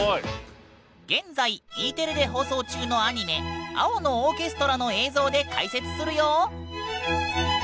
現在Ｅテレで放送中のアニメ「青のオーケストラ」の映像で解説するよ！